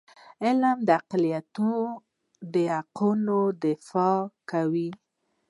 علم د اقلیتونو د حقونو دفاع کوي.